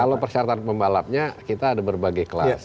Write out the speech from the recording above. kalau persyaratan pembalapnya kita ada berbagai kelas